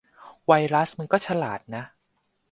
ไวรัสมันก็ฉลาดนะ